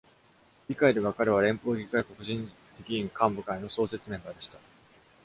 議会では、彼は連邦議会黒人議員幹部会の創設メンバーでした。